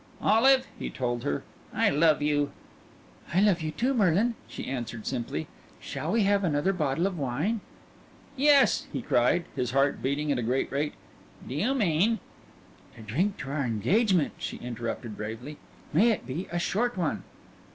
"Olive," he told her, "I love you." "I love you too, Merlin," she answered simply. "Shall we have another bottle of wine?" "Yes," he cried, his heart beating at a great rate. "Do you mean " "To drink to our engagement," she interrupted bravely. "May it be a short one!"